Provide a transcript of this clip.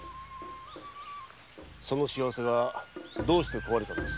それがどうして壊れたのです？